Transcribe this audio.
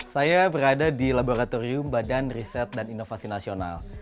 saya berada di laboratorium badan riset dan inovasi nasional